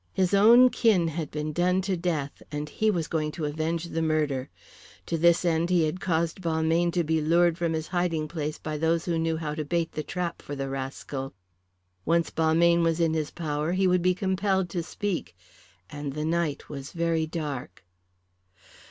His own kin had been done to death, and he was going to avenge the murder. To this end he had caused Balmayne to be lured from his hiding place by those who knew how to bait the trap for the rascal. Once Balmayne was in his power he would be compelled to speak. And the night was very dark.